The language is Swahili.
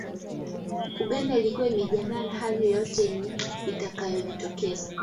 Uganda ilikuwa inajiandaa na hali yoyote yenye itakayojitokeza